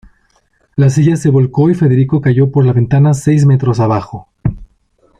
La silla se volcó y Federico cayó por la ventana seis metros abajo.